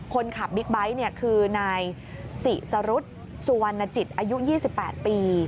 คนขับบิ๊กไบท์คือนายศิสรุธสุวรรณจิตอายุ๒๘ปี